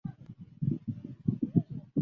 中国人在等车